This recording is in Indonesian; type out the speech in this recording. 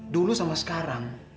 dulu sama sekarang